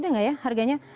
ada nggak ya harganya